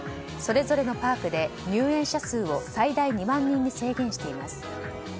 それぞれのパークで入園者数を最大２万人に制限しています。